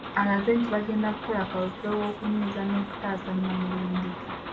Alaze nti bagenda kukola kaweefube w'okunyweza n'okutaaasa Nnamulondo.